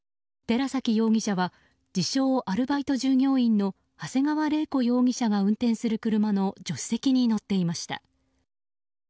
寺崎容疑者は自称アルバイト従業員の長谷川玲子容疑者が運転する車の助手席に乗っていました。